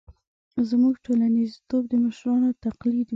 زموږ ټولنیزتوب د مشرانو تقلید وي.